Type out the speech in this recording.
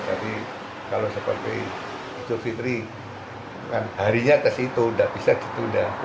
tapi kalau seperti itu fitri kan harinya ke situ tidak bisa ke situ